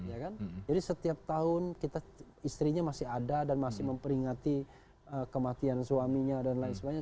jadi setiap tahun istrinya masih ada dan masih memperingati kematian suaminya dan lain sebagainya